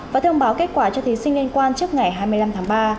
và thông báo kết quả cho thí sinh liên quan trước ngày hai mươi năm tháng ba